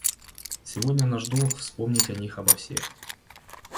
Сегодня наш долг вспомнить о них обо всех.